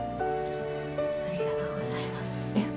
ありがとうございます。